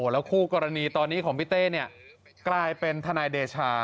แล้วคู่กรณีตอนนี้ของพี่เต้กลายเป็นทนายเดชา